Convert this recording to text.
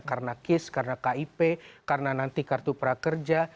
karena kis karena kip karena nanti kartu prakerja